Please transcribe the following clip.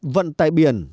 vận tải biển